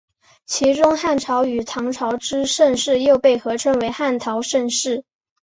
其中汉朝与唐朝之盛世又被合称为汉唐盛世。